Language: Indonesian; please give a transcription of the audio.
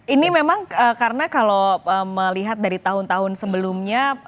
ini memang karena kalau melihat dari tahun tahun sebelumnya